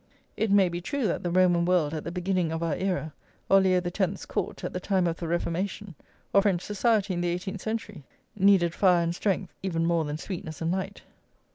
It may be true that the Roman world at the beginning of our era, or Leo the Tenth's Court at the time of the Reformation, or French society in the eighteenth century, needed fire and strength even more than sweetness and light.